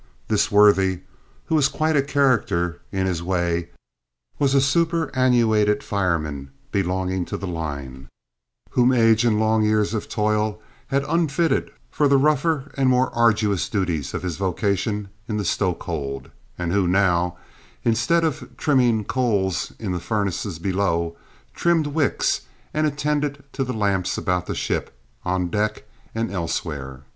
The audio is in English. This worthy, who was quite a character in his way, was a superannuated fireman belonging to the line, whom age and long years of toil had unfitted for the rougher and more arduous duties of his vocation in the stoke hold, and who now, instead of trimming coals in the furnaces below, trimmed wicks and attended to the lamps about the ship, on deck and elsewhere.